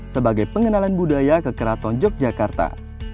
sebagai pengenalan budaya ke keraton yogyakarta